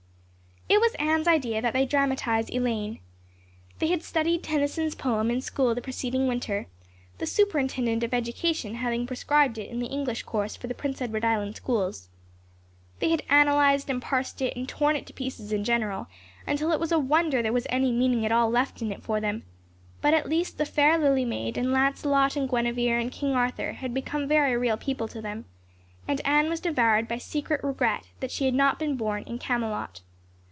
It was Anne's idea that they dramatize Elaine. They had studied Tennyson's poem in school the preceding winter, the Superintendent of Education having prescribed it in the English course for the Prince Edward Island schools. They had analyzed and parsed it and torn it to pieces in general until it was a wonder there was any meaning at all left in it for them, but at least the fair lily maid and Lancelot and Guinevere and King Arthur had become very real people to them, and Anne was devoured by secret regret that she had not been born in Camelot.